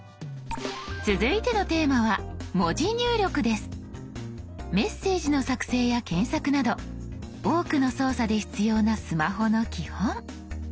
続いてのテーマはメッセージの作成や検索など多くの操作で必要なスマホの基本。